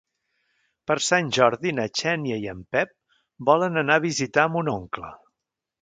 Per Sant Jordi na Xènia i en Pep volen anar a visitar mon oncle.